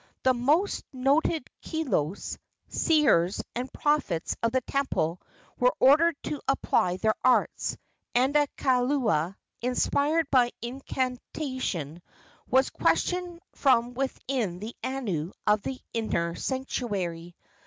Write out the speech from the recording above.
The most noted kilos, seers and prophets of the temple were ordered to apply their arts, and a kaula, inspired by incantation, was questioned from within the anu of the inner sanctuary.